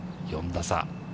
４打差。